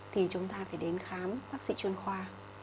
thì chúng ta phải đến khám bác sĩ chuyên khoa